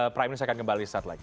prime ini saya akan kembali saat lagi